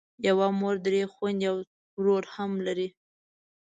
یوه مور درې خویندې او ورور هم لرم.